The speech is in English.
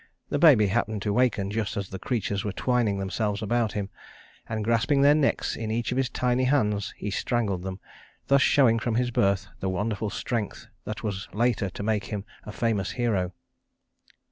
The baby happened to waken just as the creatures were twining themselves about him; and grasping their necks in each of his tiny hands, he strangled them, thus showing from his birth the wonderful strength that was later to make him a famous hero.